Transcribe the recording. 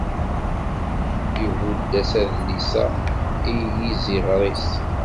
ibudd-as adlis-a i yiziɣer-is.